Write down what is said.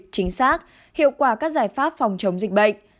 chính xác hiệu quả các giải pháp phòng chống dịch bệnh